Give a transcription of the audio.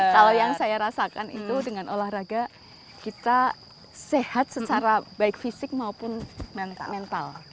kalau yang saya rasakan itu dengan olahraga kita sehat secara baik fisik maupun mental